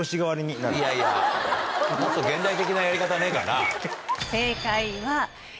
いやいやもっと現代的なやり方ねえかな。